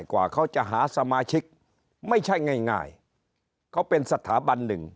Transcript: กว่าเขาจะหาสมาชิกไม่ใช่ง่ายเขาเป็นสถาบันหนึ่ง